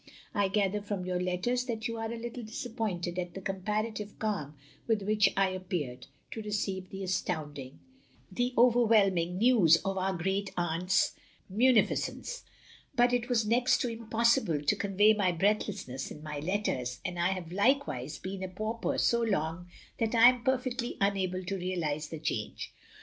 ... I gather from your letters that you are a Utile disappointed at the comparative calm with which I appeared to receive the astounding — the overwhelming news of our great aunfs munifi cence; but it was next to impossible to convey my breathlessness in my letters, and I have likewise been a pauper so long that I am perfectly unable to realise the change.